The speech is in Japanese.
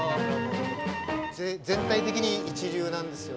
全体的に一流なんですよね。